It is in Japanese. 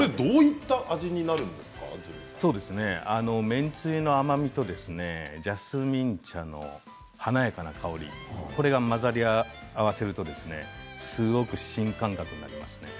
麺つゆの甘みとジャスミン茶の華やかな香りが混ざり合わさるとすごく新感覚になります。